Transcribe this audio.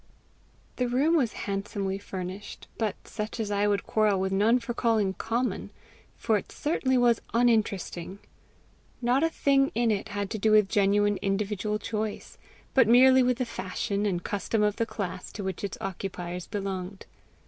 The room was handsomely furnished, but such as I would quarrel with none for calling common, for it certainly was uninteresting. Not a thing in it had to do with genuine individual choice, but merely with the fashion and custom of the class to which its occupiers belonged.